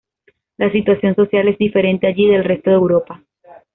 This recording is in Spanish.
La situación social es diferente allí del resto de Europa.